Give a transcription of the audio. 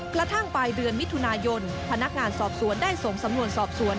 กระทั่งปลายเดือนมิถุนายนพนักงานสอบสวนได้ส่งสำนวนสอบสวน